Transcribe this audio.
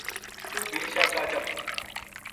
توہ بھی شہر تا چل